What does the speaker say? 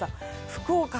福岡、